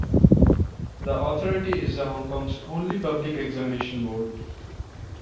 The authority is Hong Kong's only public examination board.